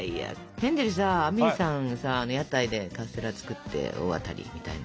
ヘンゼルさアメイさんのさあの屋台でカステラ作って大当たりみたいな。